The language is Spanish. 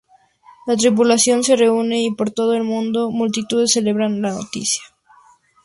La tripulación se reúne y por todo el mundo multitudes celebran la noticia.